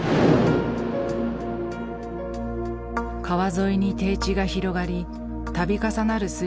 川沿いに低地が広がり度重なる